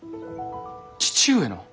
父上の？